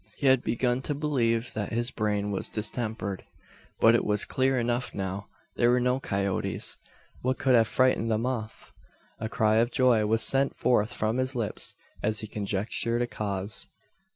He had begun to believe that his brain was distempered. But it was clear enough now. There were no coyotes. What could have frightened them off? A cry of joy was sent forth from his lips, as he conjectured a cause.